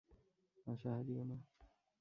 আশা হারিয়ো না।